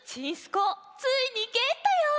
こうついにゲットよ！